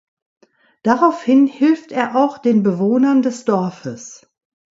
Daraufhin hilft er auch den Bewohnern des Dorfes.